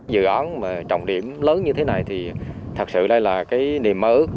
dự án mà trọng điểm lớn như thế này thì thật sự đây là cái niềm mơ ước